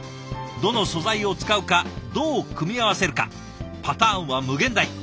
どの素材を使うかどう組み合わせるかパターンは無限大。